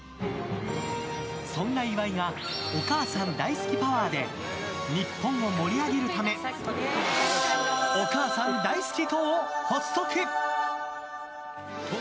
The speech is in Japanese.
そんな岩井がお母さん大好きパワーで日本を盛り上げるためお母さん大好き党を発足。